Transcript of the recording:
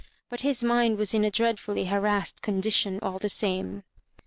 But his mind was in a dreadfully harassed condition all the same.